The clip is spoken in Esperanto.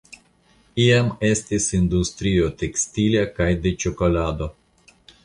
Iam estis industrio tekstila kaj de ĉokolado.